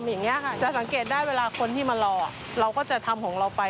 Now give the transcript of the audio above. อย่างนี้ค่ะจะสังเกตได้เวลาคนที่มารอเราก็จะทำของเราไป